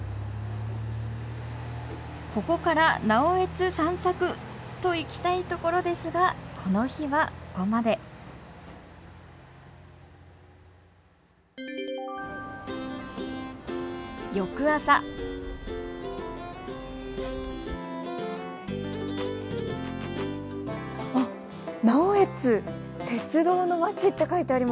ここから直江津散策といきたいところですがこの日はここまで翌朝あっ「直江津鉄道の町」って書いてあります。